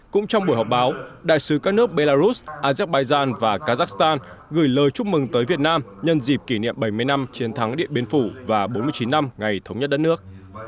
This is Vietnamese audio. cũng trong buổi họp báo đại sứ các nước belarus azerbaijan và kazakhstan gửi lời chúc mừng tới việt nam nhân dịp kỷ niệm bảy mươi năm chiến thắng điện biên phủ và bốn mươi chín năm ngày thống nhất đất nước